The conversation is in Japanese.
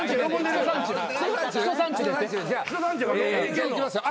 じゃあいきますよ